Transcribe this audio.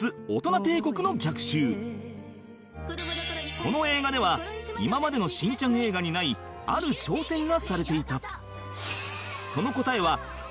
この映画では今までの『しんちゃん』映画にないある挑戦がされていた